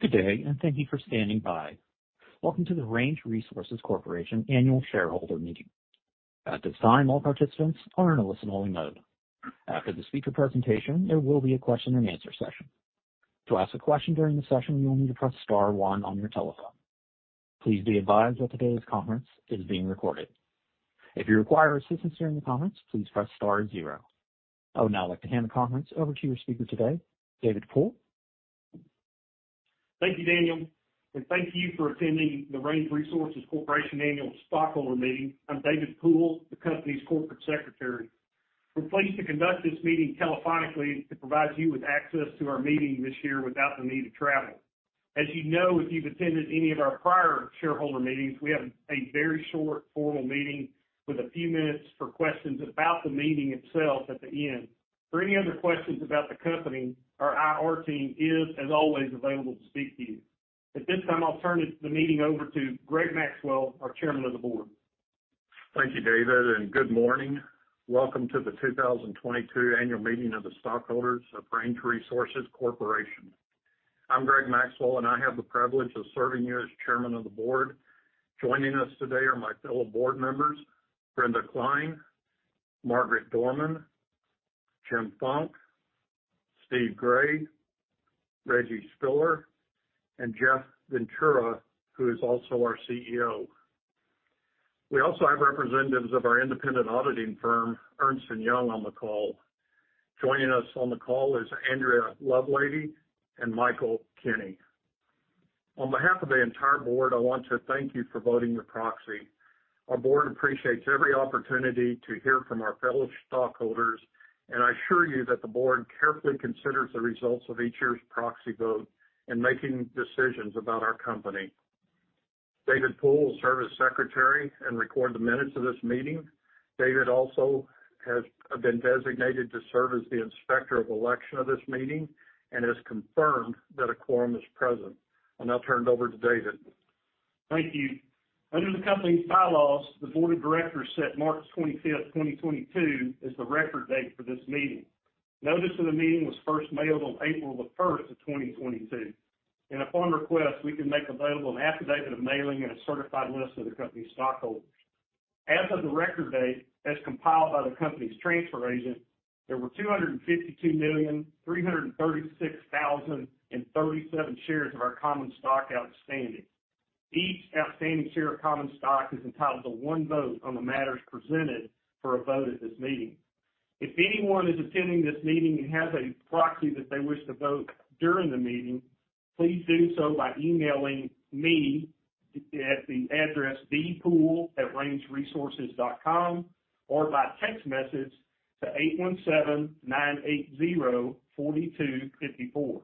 Good day, and thank you for standing by. Welcome to the Range Resources Corporation annual shareholder meeting. At this time, all participants are in a listen-only mode. After the speaker presentation, there will be a question-and-answer session. To ask a question during the session, you'll need to press star one on your telephone. Please be advised that today's conference is being recorded. If you require assistance during the conference, please press star zero. I would now like to hand the conference over to your speaker today, David Poole. Thank you, Daniel, and thank you for attending the Range Resources Corporation annual stockholder meeting. I'm David Poole, the company's Corporate Secretary. We're pleased to conduct this meeting telephonically to provide you with access to our meeting this year without the need to travel. As you know, if you've attended any of our prior shareholder meetings, we have a very short formal meeting with a few minutes for questions about the meeting itself at the end. For any other questions about the company, our IR team is, as always, available to speak to you. At this time, I'll turn the meeting over to Greg Maxwell, our Chairman of the Board. Thank you, David, and good morning. Welcome to the 2022 annual meeting of the stockholders of Range Resources Corporation. I'm Greg Maxwell, and I have the privilege of serving you as chairman of the board. Joining us today are my fellow board members, Brenda Cline, Margaret Dorman, Jim Funk, Steve Gray, Reggie Spiller, and Jeff Ventura, who is also our CEO. We also have representatives of our independent auditing firm, Ernst & Young, on the call. Joining us on the call is Andrea Lovelady and Michael Kinney. On behalf of the entire board, I want to thank you for voting your proxy. Our board appreciates every opportunity to hear from our fellow stockholders, and I assure you that the board carefully considers the results of each year's proxy vote in making decisions about our company. David Poole will serve as secretary and record the minutes of this meeting. David also has been designated to serve as the inspector of election of this meeting and has confirmed that a quorum is present. I'll now turn it over to David. Thank you. Under the company's bylaws, the board of directors set March 25th, 2022, as the record date for this meeting. Notice of the meeting was first mailed on April 1st, 2022. Upon request, we can make available an affidavit of mailing and a certified list of the company's stockholders. As of the record date, as compiled by the company's transfer agent, there were 252,336,037 shares of our common stock outstanding. Each outstanding share of common stock is entitled to one vote on the matters presented for a vote at this meeting. If anyone is attending this meeting and has a proxy that they wish to vote during the meeting, please do so by emailing me at the address dpoole@rangeresources.com or by text message to 817-980-4254.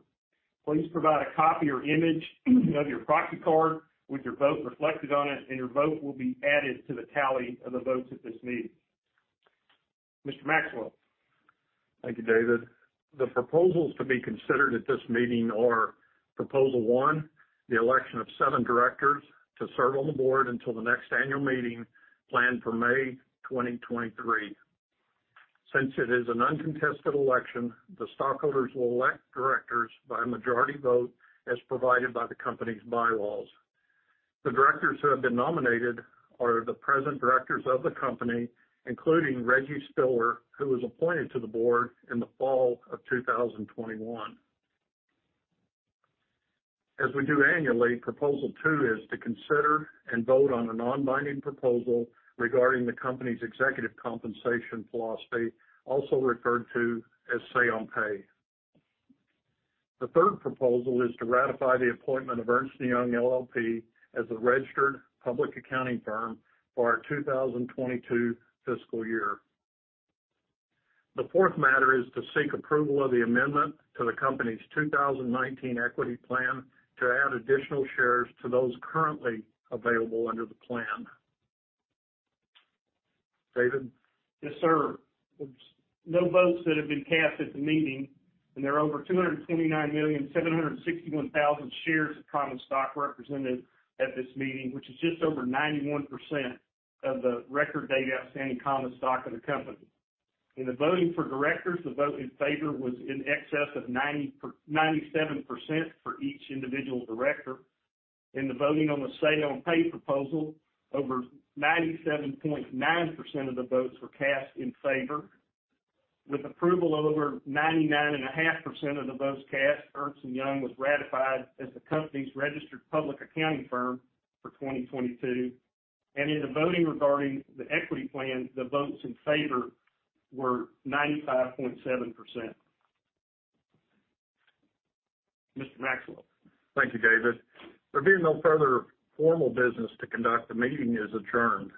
Please provide a copy or image of your proxy card with your vote reflected on it, and your vote will be added to the tally of the votes at this meeting. Mr. Maxwell. Thank you, David. The proposals to be considered at this meeting are proposal one, the election of seven directors to serve on the board until the next annual meeting planned for May 2023. Since it is an uncontested election, the stockholders will elect directors by a majority vote as provided by the company's bylaws. The directors who have been nominated are the present directors of the company, including Reginald Spiller, who was appointed to the board in the fall of 2021. As we do annually, proposal two is to consider and vote on a non-binding proposal regarding the company's executive compensation philosophy, also referred to as say-on-pay. The third proposal is to ratify the appointment of Ernst & Young LLP as the registered public accounting firm for our 2022 fiscal year. The fourth matter is to seek approval of the amendment to the company's 2019 equity plan to add additional shares to those currently available under the plan. David? Yes, sir. Now votes that have been cast at the meeting, and there are over 229,761,000 shares of common stock represented at this meeting, which is just over 91% of the record date outstanding common stock of the company. In the voting for directors, the vote in favor was in excess of 97% for each individual director. In the voting on the say-on-pay proposal, over 97.9% of the votes were cast in favor. With approval of over 99.5% of the votes cast, Ernst & Young was ratified as the company's registered public accounting firm for 2022. In the voting regarding the equity plan, the votes in favor were 95.7%. Mr. Maxwell. Thank you, David. There being no further formal business to conduct, the meeting is adjourned.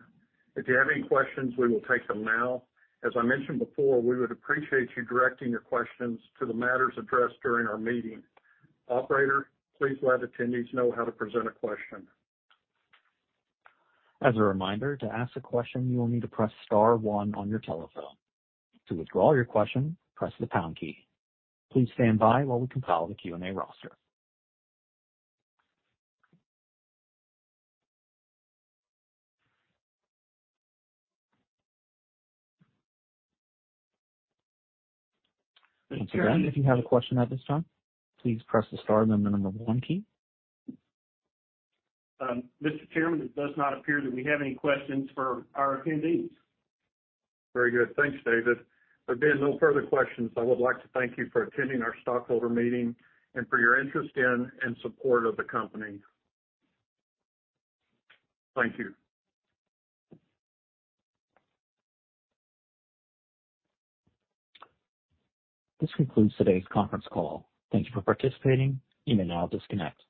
If you have any questions, we will take them now. As I mentioned before, we would appreciate you directing your questions to the matters addressed during our meeting. Operator, please let attendees know how to present a question. As a reminder, to ask a question, you will need to press star one on your telephone. To withdraw your question, press the pound key. Please stand by while we compile the Q&A roster. Mr. Chairman, if you have a question at this time, please press the star and then the number one key. Mr. Chairman, it does not appear that we have any questions for our attendees. Very good. Thanks, David. There being no further questions, I would like to thank you for attending our stockholder meeting and for your interest in and support of the company. Thank you. This concludes today's conference call. Thank you for participating. You may now disconnect.